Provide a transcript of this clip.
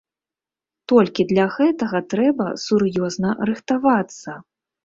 Толькі для гэтага трэба сур'ёзна рыхтавацца.